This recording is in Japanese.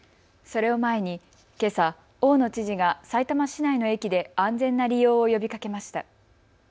それを前にけさ大野知事がさいたま市内の駅で安全な利用を呼びかけました。